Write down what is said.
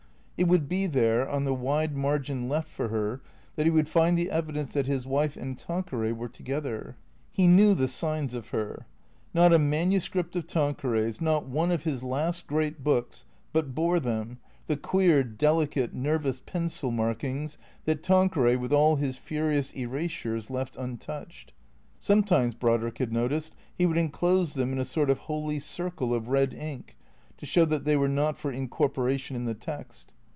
It would be there, on the wide margin left for her, that he would find the evidence that his wife and Tanqueray were together. He knew the signs of her. Not a manuscript of Tanqueray's, not one of his last great books, but bore them, the queer, delicate, nervous pencil markings that Tanqueray, with all his furious erasures, left untouched. Some times (Brodrick had noticed) he would enclose them in a sort of holy circle of red ink, to show that they were not for incor poration in the text.